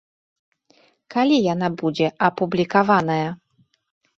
Калі яна будзе апублікаваная?